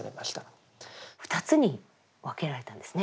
２つに分けられたんですね。